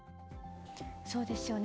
そうですよね。